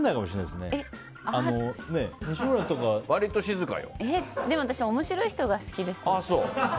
でも私、面白い人が好きですよ。